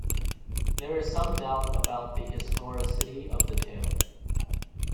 There is some doubt about the historicity of the tale.